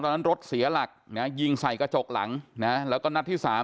ตอนนั้นรถเสียหลักเนี่ยยิงใส่กระจกหลังเนี่ยแล้วก็นัดที่สาม